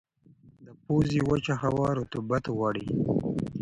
د پوزې وچه هوا رطوبت غواړي.